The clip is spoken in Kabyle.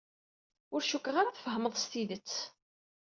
Ur cukkeɣ ara tfahmeḍ s tidet.